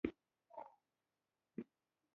بل انټي سوشل سايکوپېت